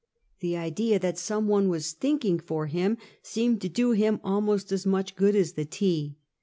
The idea that some one was thinking for him seemed to do him almost as much good as the tea.